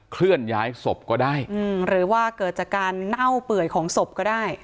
เคลื่อนย้ายศพก็ได้หรือว่าเกิดจากการเน่าเปื่อยของศพก็ได้